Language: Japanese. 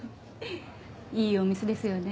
いいお店ですよね。